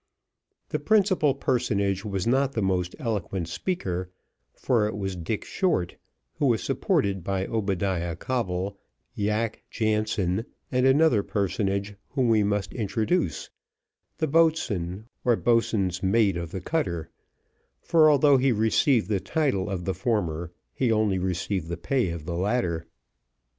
The principal personage was not the most eloquent speaker, for it was Dick Short, who was supported by Obadiah Coble, Yack Jansen, and another personage, whom we must introduce, the boatswain or boatswain's mate of the cutter; for although he received the title of the former, he only received the pay of the latter.